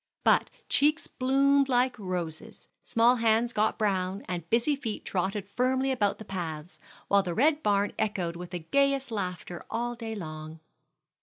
But cheeks bloomed like roses, small hands got brown, and busy feet trotted firmly about the paths, while the red barn echoed with the gayest laughter all day long.